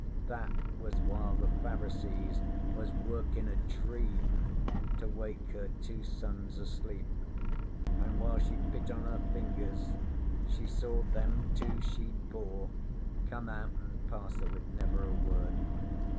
That was while the Pharisees was workin' a Dream to wake her two sons asleep: an' while she bit on her fingers she saw them two she'd bore come out an' pass her with never a word.